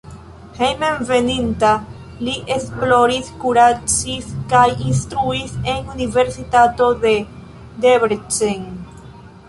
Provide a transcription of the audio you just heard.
Hejmenveninta li esploris, kuracis kaj instruis en universitato de Debrecen.